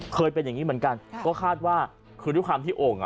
เคยเป็นอย่างงี้เหมือนกันค่ะก็คาดว่าคือด้วยความที่โอ่งอ่ะ